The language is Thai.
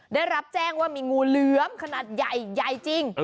ได้รับแจ้งว่ามีงูเหลือมขนาดใหญ่ใหญ่จริง